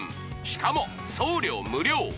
しかも送料無料